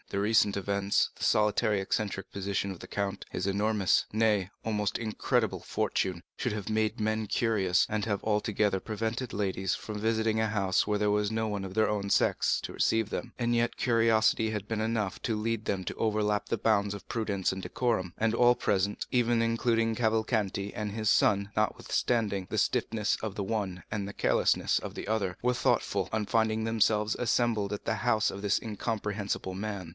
The recent events, the solitary and eccentric position of the count, his enormous, nay, almost incredible fortune, should have made men cautious, and have altogether prevented ladies visiting a house where there was no one of their own sex to receive them; and yet curiosity had been enough to lead them to overleap the bounds of prudence and decorum. And all present, even including Cavalcanti and his son, notwithstanding the stiffness of the one and the carelessness of the other, were thoughtful, on finding themselves assembled at the house of this incomprehensible man.